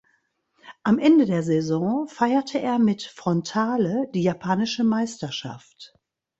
Am Ende der Saison feierte er mit Frontale die japanische Meisterschaft.